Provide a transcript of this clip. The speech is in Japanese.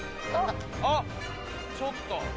あっちょっと。